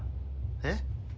えっ？